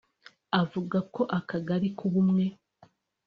bavuga ko Akagali k’Ubumwe